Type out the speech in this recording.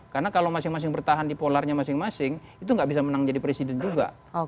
karena kalau masing masing bertahan di polarnya masing masing itu nggak bisa menang jadi presiden juga